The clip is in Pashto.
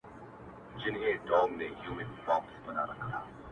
ستا سومه، چي ستا سومه، چي ستا سومه_